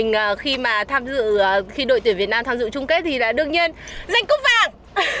của nhà mình khi đội tuyển việt nam tham dự trung kết thì đương nhiên giành cúp vàng